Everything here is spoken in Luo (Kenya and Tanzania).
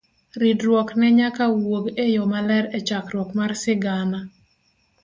Ridruokne nyaka wuog eyo maler echakruok mar sigana.